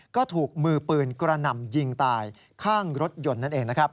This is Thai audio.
ก็ถูกมือปืนกระหน่ำยิงตายข้างรถยนต์นั่นเองนะครับ